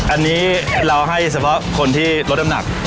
อันนี้เราให้เฉพาะคนที่ลดน้ำหนัก